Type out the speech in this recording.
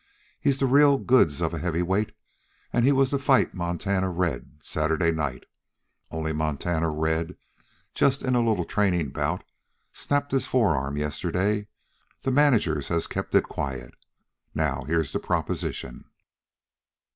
He's the real goods of a heavyweight, an' he was to fight Montana Red Saturday night, only Montana Red, just in a little trainin' bout, snapped his forearm yesterday. The managers has kept it quiet. Now here's the proposition.